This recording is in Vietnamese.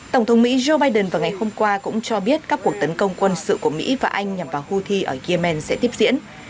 tổng thống mỹ joe biden vào ngày hôm qua cũng cho biết các cuộc tấn công quân sự của mỹ và anh nhằm vào houthi ở yemen sẽ tiếp diễn